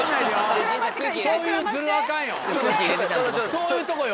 そういうとこよ。